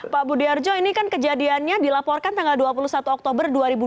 pak budi harjo ini kan kejadiannya dilaporkan tanggal dua puluh satu oktober dua ribu dua puluh